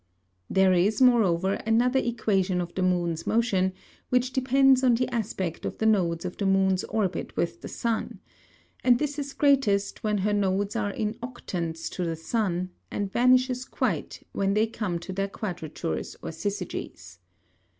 There is moreover another Equation of the Moon's Motion, which depends on the Aspect of the Nodes of the Moon's Orbit with the Sun: And this is greatest, when her Nodes are in Octants to the Sun, and vanishes quite, when they come to their Quadratures or Syzygys.